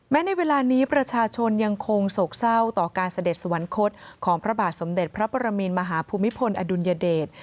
ในเวลานี้ประชาชนยังคงโศกเศร้าต่อการเสด็จสวรรคตของพระบาทสมเด็จพระปรมินมหาภูมิพลอดุลยเดช